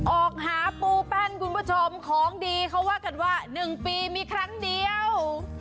ออกหาปูแป้นคุณผู้ชมของดีเขาว่ากันว่า๑ปีมีครั้งเดียว